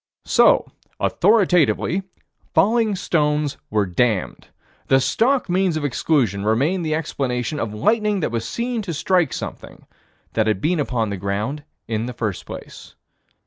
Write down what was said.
So, authoritatively, falling stones were damned. The stock means of exclusion remained the explanation of lightning that was seen to strike something that had been upon the ground in the first place.